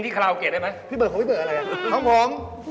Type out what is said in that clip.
ได้ครับผม